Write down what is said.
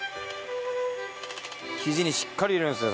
生地にしっかり入れるんですね